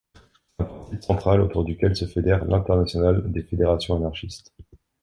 C'est un principe central autour duquel se fédère l'Internationale des fédérations anarchistes.